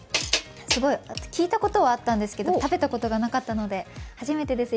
聞いたことはあったんですけど、食べたことはなかったので、初めてです。